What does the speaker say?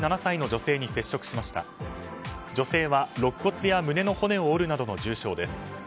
女性はろっ骨や胸の骨を折るなどの重傷です。